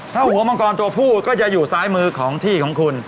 ถ้าหัวมังกรตัวผู้ก็จะอยู่ซ้ายมือของที่ของคุณ